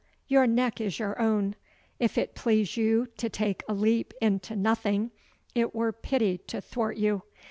Your neck is your own. If it please you to take a leap into nothing it were pity to thwart you.